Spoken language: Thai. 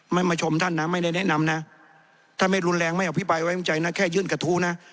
มาชมท่านนะไม่ได้แนะนำนะถ้าไม่รุนแรงไม่อภิปรายไว้วางใจนะแค่ยื่นกระทู้นะ